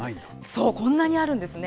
そう、こんなにあるんですね。